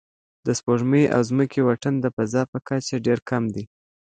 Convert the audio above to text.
د سپوږمۍ او ځمکې واټن د فضا په کچه ډېر کم دی.